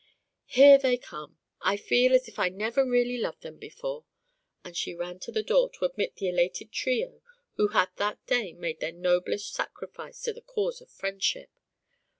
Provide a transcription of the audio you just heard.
Here they come. I feel as if I never really loved them before." And she ran to the door to admit the elated trio who that day had made their noblest sacrifice to the cause of friendship.